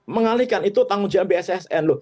mengalihkan itu tanggung jawab bssn loh